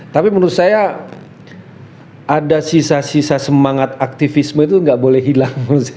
tapi menurut saya ada sisa sisa semangat aktivisme itu nggak boleh hilang